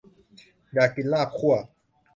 อยากกินลาบคั่ว